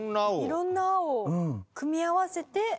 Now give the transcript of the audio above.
色んな青を組み合わせて。